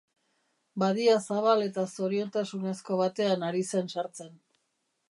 Badia zabal eta zoriontasunezko batean ari zen sartzen.